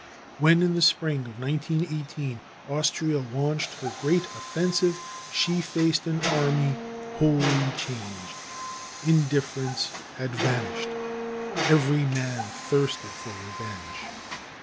When, in the spring of 1918, Austria launched her great offensive, she faced an army wholly changed. Indifference had vanished, every man thirsted for revenge.